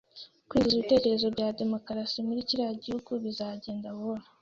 Kwinjiza ibitekerezo bya demokarasi muri kiriya gihugu bizagenda buhoro